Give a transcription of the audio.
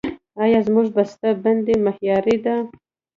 آیا زموږ بسته بندي معیاري ده؟